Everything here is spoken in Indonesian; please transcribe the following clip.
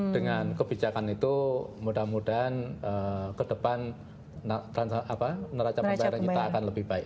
dengan kebijakan itu mudah mudahan ke depan neraca pembayaran kita akan lebih baik